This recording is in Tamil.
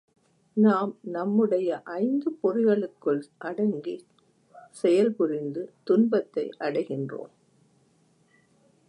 நாம் நம்முடைய ஐந்து பொறிகளுக்குள் அடங்கிச் செயல்புரிந்து துன்பத்தை அடைகின்றோம்.